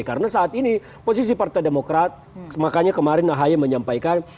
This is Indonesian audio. karena saat ini posisi partai demokrat makanya kemarin nahai menyampaikan